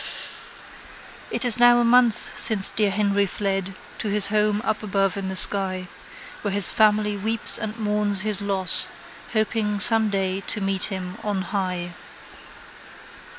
It is now a month since dear Henry fled To his home up above in the sky While his family weeps and mourns his loss Hoping some day to meet him on high.